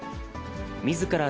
みずから